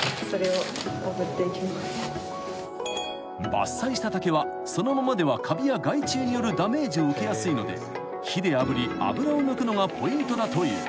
［伐採した竹はそのままではカビや害虫によるダメージを受けやすいので火であぶり油を抜くのがポイントだという］